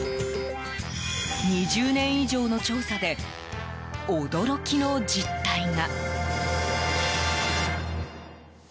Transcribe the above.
２０年以上の調査で驚きの実態が。